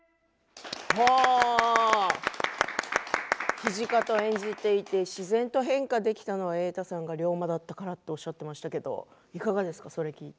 土方を演じていて自然と変化できたのは瑛太さんが龍馬だったからとおっしゃっていましたけど、いかがですかそれを聞いて。